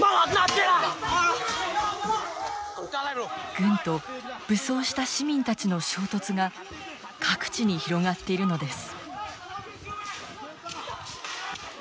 軍と武装した市民たちの衝突が各地に広がっているのです。